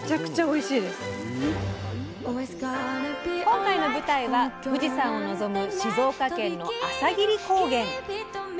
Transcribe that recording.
今回の舞台は富士山を望む静岡県の朝霧高原。